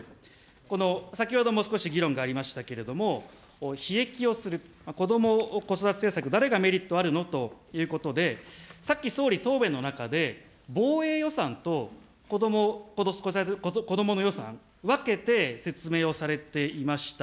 この先ほども少し議論がありましたけれども、ひ益をする、こども・子育て政策、誰にメリットあるのということで、さっき総理、答弁の中で、防衛予算とこどもの予算、分けて説明をされていました。